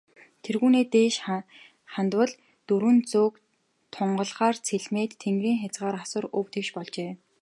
Тэргүүнээ дээш хандвал, дөрвөн зүг тунгалгаар цэлмээд, тэнгэрийн хязгаар асар өв тэгш болжээ.